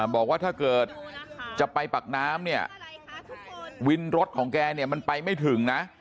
บอกว่าถ้าเกิดจะไปปากน้ำวินรถของแกมันไปไม่ถึง